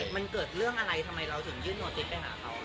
มันเกิดเรื่องอะไรทำไมเราถึงยื่นโนติ๊กไปหาเขา